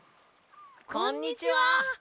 こんにちは！